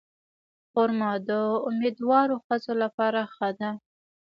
خرما د امیندوارو ښځو لپاره ښه ده.